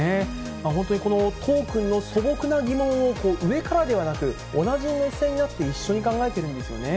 本当にこの都央君の素朴な疑問を上からではなく、同じ目線になって一緒に考えてるんですよね。